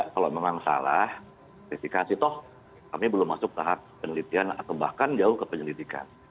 kalau memang salah verifikasi toh kami belum masuk tahap penelitian atau bahkan jauh ke penyelidikan